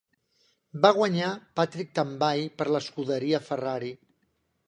Va guanyar Patrick Tambay per l'escuderia Ferrari.